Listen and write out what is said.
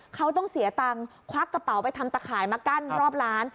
เขาต้องเสียตังค์ควักกระเป๋าไปทำตะข่ายมากั้นรอบร้าน